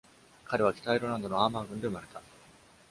彼は、北アイルランドのアーマー郡で生まれた。